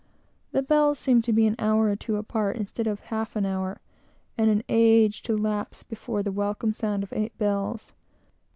The bells seemed to be an hour or two apart, instead of half an hour, and an age to elapse before the welcome sound of eight bells.